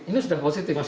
ini sudah positif